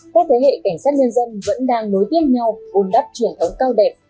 các thế hệ cảnh sát nhân dân vẫn đang nối tiếng nhau cùng đắp truyền thống cao đẹp